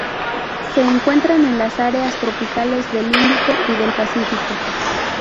Se encuentran en las áreas tropicales del Índico y del Pacífico.